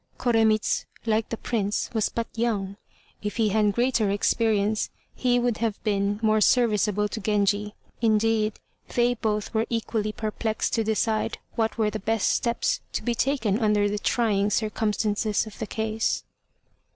Koremitz, like the Prince, was but young. If he had had greater experience he would have been more serviceable to Genji; indeed, they both were equally perplexed to decide what were the best steps to be taken under the trying circumstances of the case.